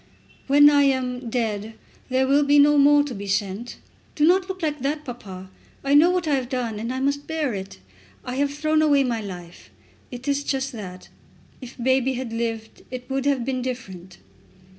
"When I am dead there will be no more to be sent. Do not look like that, papa. I know what I have done, and I must bear it. I have thrown away my life. It is just that. If baby had lived it would have been different."